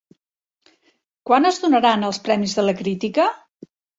Quan es donaran els premis de la Crítica?